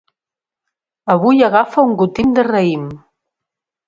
Avui agafa un gotim de raïm.